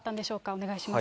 お願いします。